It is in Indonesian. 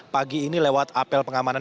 pagi ini lewat apel pengamanan